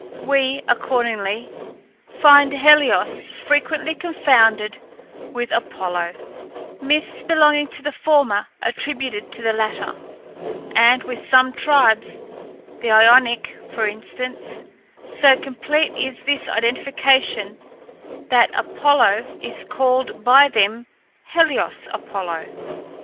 We, accordingly, find Helios frequently confounded with Apollo, myths belonging to the former attributed to the latter; and with some tribes the Ionic, for instance so complete is this identification, that Apollo is called by them Helios Apollo.